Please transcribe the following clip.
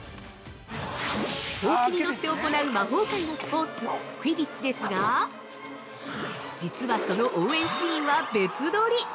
ほうきに乗って行う魔法界のスポーツ「クィディッチ」ですが実は、その応援シーンは別撮り！